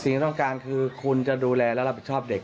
สิ่งที่ต้องการคือคุณจะดูแลแล้วแรบผิดชอบเด็ก